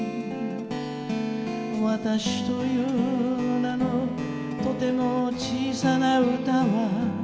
「私という名のとても小さな歌は」